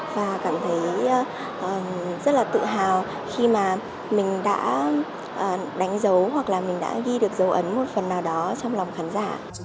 và cảm thấy rất là tốt cảm ơn các bạn đã theo dõi và hẹn gặp lại